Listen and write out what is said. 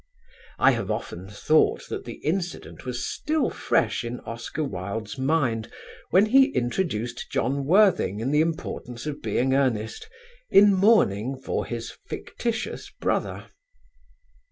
I have often thought that the incident was still fresh in Oscar Wilde's mind when he introduced John Worthing in 'The Importance of Being Earnest,' in mourning for his fictitious brother....